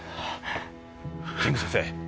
神宮先生